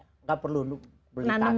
tidak perlu beli tanam